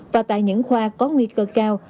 và tại những khoa có nguy cơ cao